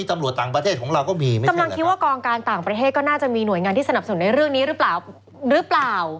ตำรวจต่างประเทศก็น่าจะมีหน่วยงานที่สนับสนุนในเรื่องนี้หรือเปล่า